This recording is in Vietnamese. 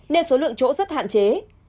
nên số lượng chỗ rất hạn chế